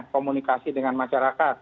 komunikasi dengan masyarakat